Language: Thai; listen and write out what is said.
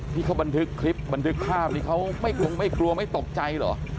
ที่เขาบันทึกคลิปบันทึกภาพนี้เขาไม่กลัวไม่ตกใจเหรอ